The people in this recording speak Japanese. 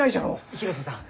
広瀬さん